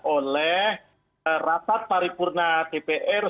oleh rapat paripurna dpr